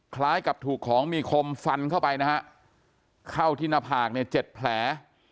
คล้ายกับถูกของมีคมฟันเข้าไปนะฮะเข้าที่หน้าผากเนี่ยเจ็ดแผล